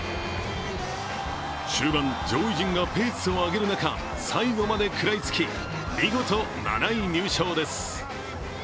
終盤、上位陣がペースを上げる中、最後まで食らいつき、見事７位入賞です。